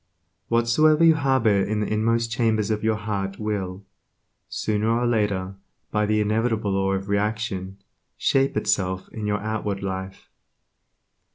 Whatsoever you harbor in the inmost chambers of your heart will, sooner or later by the inevitable law of reaction, shape itself in your outward life.